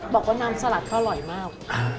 บอกว่าน้ำสลัดเขาอร่อยมาก